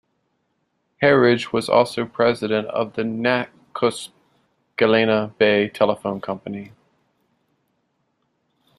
Herridge was also president of the Nakusp-Galena Bay Telephone Company.